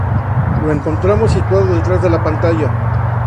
Lo encontramos situado detrás de la pantalla.